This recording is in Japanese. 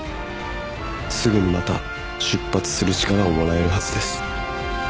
「すぐにまた出発する力をもらえるはずです」